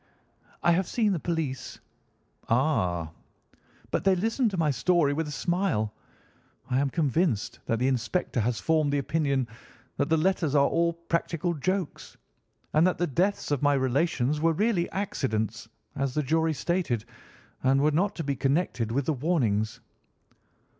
"I have seen the police." "Ah!" "But they listened to my story with a smile. I am convinced that the inspector has formed the opinion that the letters are all practical jokes, and that the deaths of my relations were really accidents, as the jury stated, and were not to be connected with the warnings."